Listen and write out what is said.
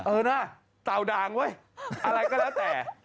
เออนะเต่าด่างเว้ยอะไรก็แล้วแต่